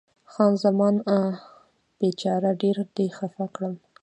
خان زمان: بیچاره، ډېر دې خفه کړم.